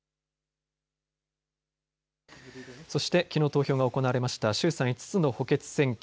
そしてきのう投票が行われました衆参５つの補欠選挙。